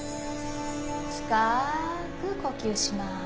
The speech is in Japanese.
深く呼吸します。